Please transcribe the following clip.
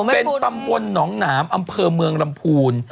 เป็นตำบลหนองหนามอำเภอเมืองลำพูน